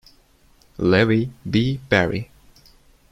Levy, B. Barry.